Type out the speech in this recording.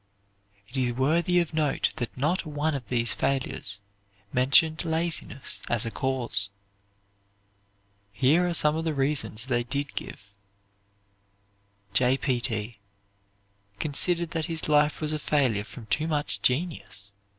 It is worthy of note that not one of these failures mentioned laziness as a cause. Here are some of the reasons they did give: "J. P. T." considered that his life was a failure from too much genius.